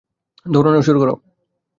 দৌঁড়ানো শুরু করো।